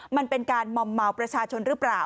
มันเป็นการมอมเมาประชาชนหรือเปล่า